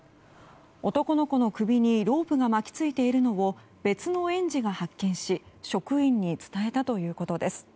男の子の首にロープが巻き付いているのを別の園児が発見し職員に伝えたということです。